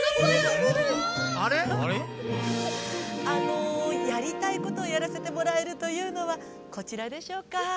あのやりたいことをやらせてもらえるというのはこちらでしょうか？